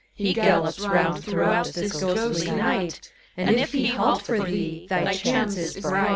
He gallops rbund throughout this ghostly nighty And if he halt for thee, thy chance is bright.